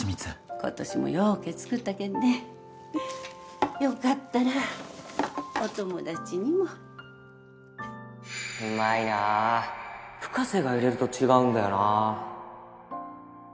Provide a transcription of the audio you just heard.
今年もようけ作ったけんねよかったらお友達にもうまいな深瀬が入れると違うんだよな